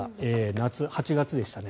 夏、８月でしたね。